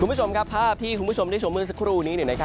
คุณผู้ชมครับภาพที่คุณผู้ชมได้ชมเมื่อสักครู่นี้